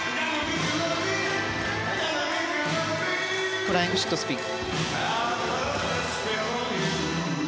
フライングシットスピン。